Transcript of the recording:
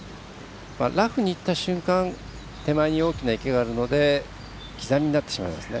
ラフにいった瞬間手前に大きな池があるので刻みになってしまいますね。